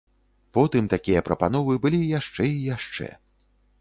Потым такія прапановы былі яшчэ і яшчэ.